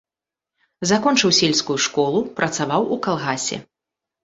Закончыў сельскую школу, працаваў у калгасе.